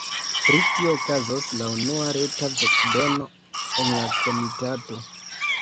Pri tio okazos la unua reta voĉdono en la komitato.